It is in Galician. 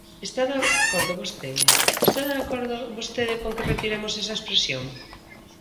¿Está de acordo vostede?, ¿está de acordo vostede con que retiremos esa expresión?